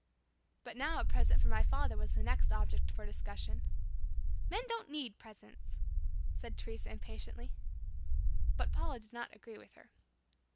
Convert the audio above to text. But now a present for my father was the next object for discussion. "Men don't need presents," said Teresa impatiently. But Paula did not agree with her.